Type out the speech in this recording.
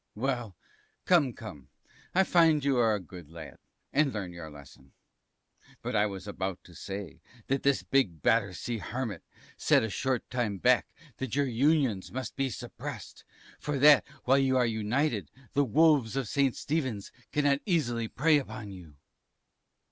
T. Well, come come, I find you are a good lad, and learn your lesson. But I was about to say that this big Battersea Hermit said a short time back that your Unions must be suppressed, for that, while you are united, the Wolves of St. Stephens cannot easily prey upon you.